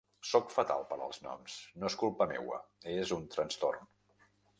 Soc fatal per als noms. No és culpa meua, és un transtorn.